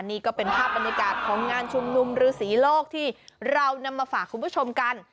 นี่ก็เป็นภาพบรรยากาศของงานชุมนุมฤษีโลกที่เรานำมาฝากคุณผู้ชมกัน